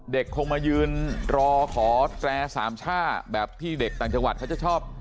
คงมายืนรอขอแตรสามช่าแบบที่เด็กต่างจังหวัดเขาจะชอบ